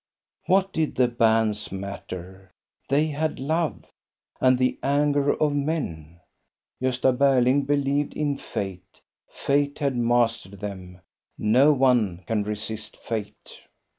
What did the banns matter? They had love. And the anger of men ! Gosta Berling believed in fate ; fate had mastered them : no one can resist fate.